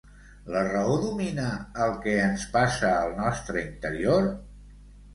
La raó domina els que ens passa al nostre interior?